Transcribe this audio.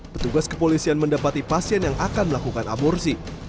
petugas kepolisian mendapati pasien yang akan melakukan aborsi